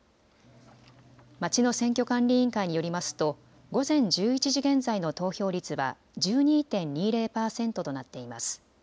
町の選挙管理委員会によりますと午前１１時現在の投票率は１２．２０％となっています。